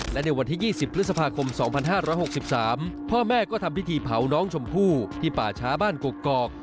และในวันที่๒๐พฤษภาคม๒๕๖๓พ่อแม่ก็ทำพิธีเผาน้องชมพู่ที่ป่าช้าบ้านกกอก